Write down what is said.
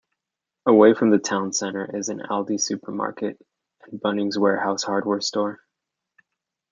Away from the town centre is an Aldi Supermarket, and Bunnings Warehouse hardware store.